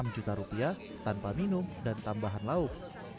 enam juta rupiah tanpa minum dan tambahan lauk